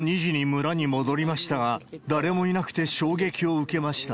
夜中の２次に村に戻りましたが、誰もいなくて、衝撃を受けました。